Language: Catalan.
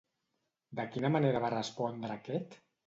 De quina manera va respondre aquest?